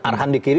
arhan di kiri